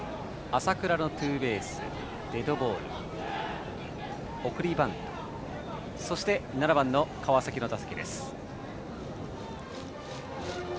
浅倉のツーベース、デッドボール送りバントそして７番の川崎の打席です。